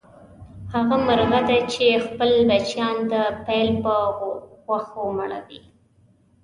هغه مرغه دی چې خپل بچیان د پیل په غوښو مړوي.